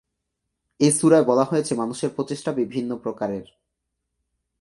এ সূরায় বলা হয়েছে মানুষের প্রচেষ্টা বিভিন্ন প্রকারের।